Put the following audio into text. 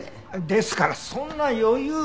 ですからそんな余裕は。